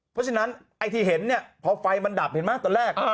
เพราะฉะนั้นไอ้ที่เห็นเนี่ยพอไฟมันดับเห็นไหมตอนแรก